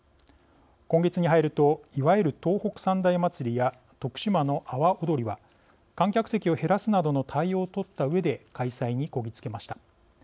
今月に入るといわゆる、東北三大まつりや徳島の阿波おどりは観客席を減らすなどの対応を取ったうえで開催に、こぎ着けました。